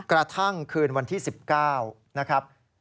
กระทั่งคืนวันที่๑๙นะครับ